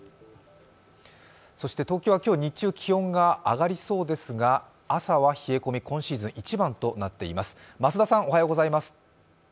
そして東京は今日、日中が気温が上がりそうですが、朝は冷え込み、今シーズン一番となっています。